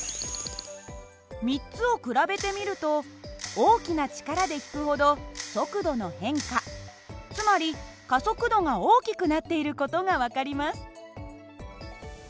３つを比べてみると大きな力で引くほど速度の変化つまり加速度が大きくなっている事が分かります。